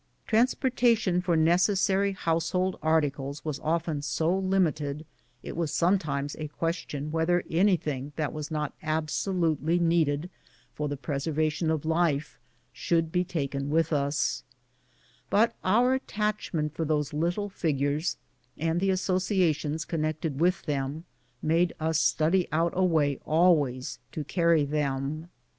Transportation for necessary house hold articles was often so limited it was sometimes a question whether anything that was not absolutely needed for the preservation of life should be taken with us; but our attachment for those little figures, and the associations connected with them, made us study out a way always to carry them